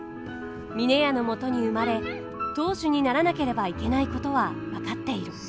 峰屋のもとに生まれ当主にならなければいけないことは分かっている。